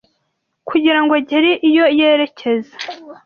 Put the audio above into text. kugirango agere iyo yerekeza.